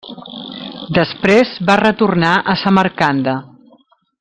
Després va retornar a Samarcanda.